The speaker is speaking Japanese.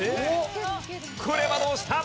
これはどうした？